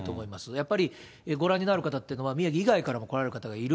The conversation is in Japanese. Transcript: やっぱりご覧になる方っていうのは、宮城以外からも来られる方がいる。